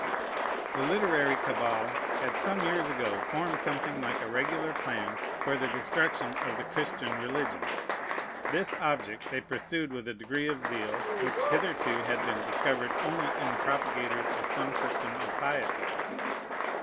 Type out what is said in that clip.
The literary cabal had some years ago formed something like a regular plan for the destruction of the Christian religion. This object they pursued with a degree of zeal which hitherto had been discovered only in the propagators of some system of piety.